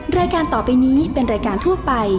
รายการต่อไปนี้เป็นรายการทั่วไป